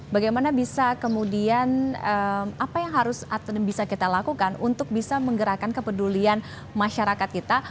bagaimana bisa kemudian apa yang harus bisa kita lakukan untuk bisa menggerakkan kepedulian masyarakat kita